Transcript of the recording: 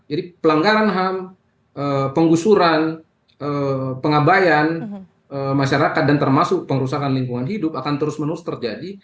jadi pelanggaran ham penggusuran pengabayan masyarakat dan termasuk pengrusakan lingkungan hidup akan terus menerus terjadi